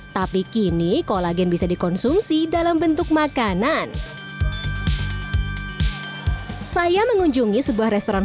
tapi kini kolagen bisa dikonsumsi dalam bentuk makanan